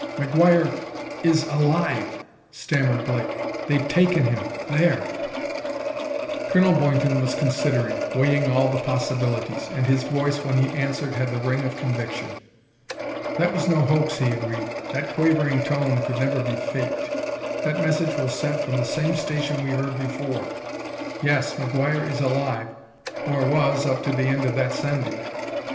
"McGuire is alive!" stammered Blake. "They've taken him there!" Colonel Boynton was considering, weighing all the possibilities, and his voice, when he answered, had the ring of conviction. "That was no hoax," he agreed; "that quavering tone could never be faked. That message was sent from the same station we heard before. Yes, McGuire is alive or was up to the end of that sending....